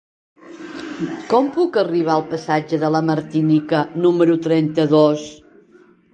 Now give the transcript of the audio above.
Com puc arribar al passatge de la Martinica número trenta-dos?